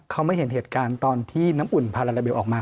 เขาไม่เห็นเหตุการณ์ตอนที่น้ำอุ่นพาลาลาเบลออกมา